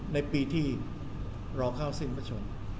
ในปีที่รอเข้าสิ้นประชน